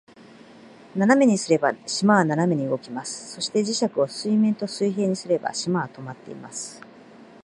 斜めにすれば、島は斜めに動きます。そして、磁石を土面と水平にすれば、島は停まっています。